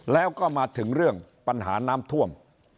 แล้วก็มาถึงเรื่องปัญหาน้ำท่วม